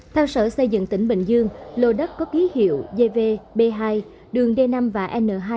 theo sở xây dựng tỉnh bình dương lô đất có ký hiệu v hai đường d năm và n hai